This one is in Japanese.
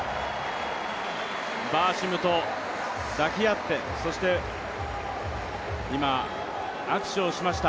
バーシムと抱き合って、そして今、握手をしました。